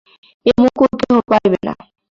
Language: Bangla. এ মুকুট কেহ পাইবে না।